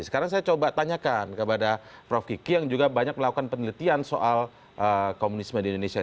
sekarang saya coba tanyakan kepada prof kiki yang juga banyak melakukan penelitian soal komunisme di indonesia